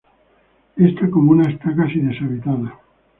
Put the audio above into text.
Esta comuna está casi deshabitada.